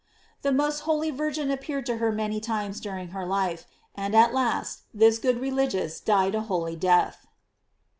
The most holy Virgin appeared to her many times during her life, and at last this good religious died a holy death.